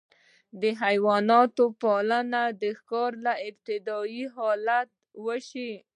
د حیواناتو پالنه د ښکار له ابتدايي حالته وشوه.